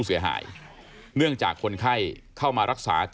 ร้องร้องร้องร้องร้อง